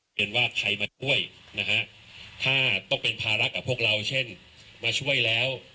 เห็นว่าใครมาช่วยนะฮะถ้าต้องเป็นภาระกับพวกเราเช่นมาช่วยแล้ว